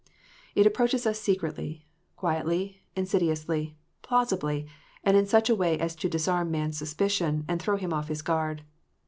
It approaches us secretly, quietly, insidiously, plausibly, and in such a way as to disarm man s suspicion, and throw him off his guard.